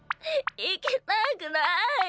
いきたくないよ。